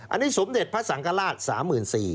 อันนี้สมเด็จพระสังกราช๓๔๐๐บาท